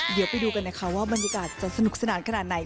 เดี๋ยวไปดูกันนะคะว่าบรรยากาศจะสนุกสนานขนาดไหน